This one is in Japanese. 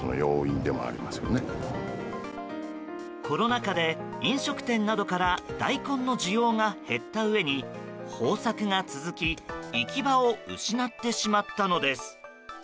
コロナ禍で、飲食店などから大根の需要が減ったうえに豊作が続き行き場を失ってしまったのです。